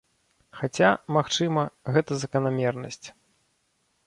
Хаця, магчыма, гэта заканамернасць.